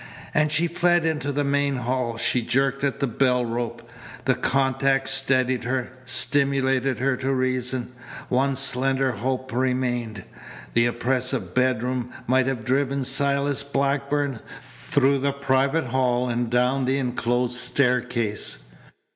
And she fled into the main hall. She jerked at the bell rope. The contact steadied her, stimulated her to reason. One slender hope remained. The oppressive bedroom might have driven Silas Blackburn through the private hall and down the enclosed staircase.